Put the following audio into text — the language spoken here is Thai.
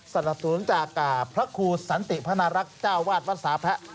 สนับสนุนจากพระครูสันติพนารักษ์เจ้าวาดวัดสาแพะ